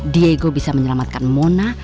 diego bisa menyelamatkan mona